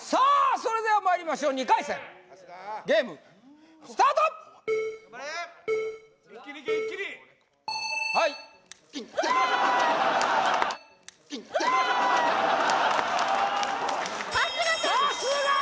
それではまいりましょう２回戦ゲームスタートいっていって春日さん